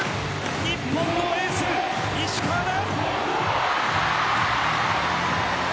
日本のエース・石川だ。